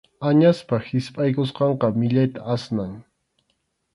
Añaspa hispʼaykusqanqa millayta asnan.